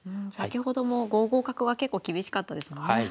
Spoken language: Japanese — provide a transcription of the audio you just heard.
先ほども５五角は結構厳しかったですもんね。